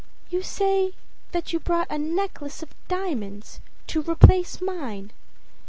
âYou say that you bought a necklace of diamonds to replace mine?